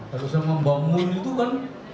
kalau saya membangun itu kan